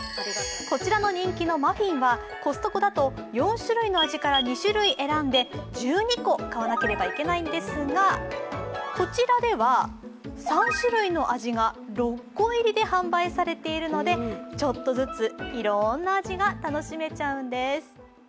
こちらの人気のマフィンはコストコだと４種類の味から２種類選んで１２個買わなければいけないんですが、こちらでは３種類の味が６個入りで販売されているのでちょっとずつ、いろんな味が楽しめちゃうんです。